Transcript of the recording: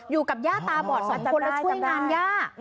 อยู่กับย่าตาบอดสองคนแล้วช่วยงานย่า